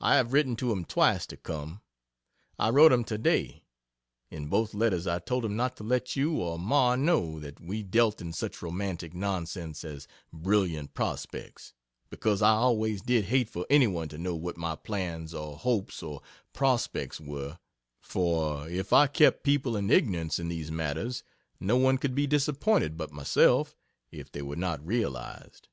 I have written to him twice to come. I wrote him today. In both letters I told him not to let you or Ma know that we dealt in such romantic nonsense as "brilliant prospects," because I always did hate for anyone to know what my plans or hopes or prospects were for, if I kept people in ignorance in these matters, no one could be disappointed but myself, if they were not realized.